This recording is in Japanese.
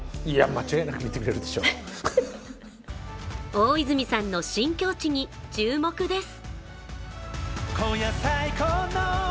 大泉さんの新境地に注目です。